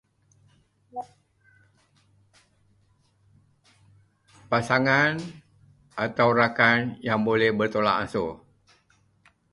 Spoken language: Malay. Pasangan atau rakan yang boleh bertolak ansur.